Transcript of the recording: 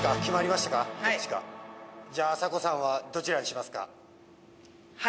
じゃああさこさんはどちらにしますか？